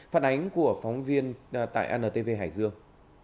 phản ánh của phóng viên tại antv hải dương